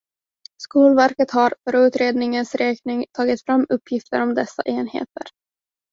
Skolverket har, för utredningens räkning, tagit fram uppgifter om dessa enheter.